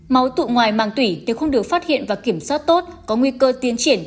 máu tụ ngoài mang tủy được không được phát hiện và kiểm soát tốt có nguy cơ tiến triển